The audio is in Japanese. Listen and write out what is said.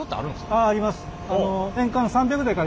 あああります。